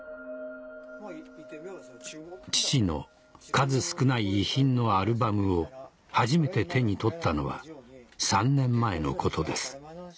父の数少ない遺品のアルバムを初めて手に取ったのは３年前のことです